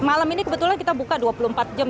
malam ini kebetulan kita buka dua puluh empat jam